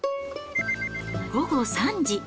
午後３時。